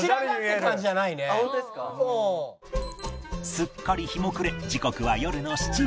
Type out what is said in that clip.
すっかり日も暮れ時刻は夜の７時